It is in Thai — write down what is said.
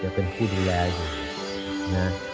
จะเป็นผู้ดูแลอยู่นะ